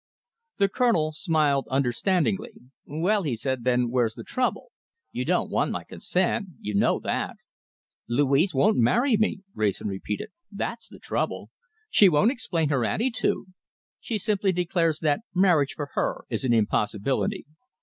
The Colonel smiled understandingly. "Well." he said, "then where's the trouble? You don't want my consent. You know that." "Louise won't marry me," Wrayson repeated. "That's the trouble. She won't explain her attitude. She simply declares that marriage for her is an impossibility."